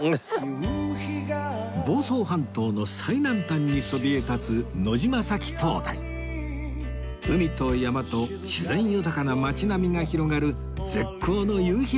房総半島の最南端にそびえ立つ海と山と自然豊かな町並みが広がる絶好の夕日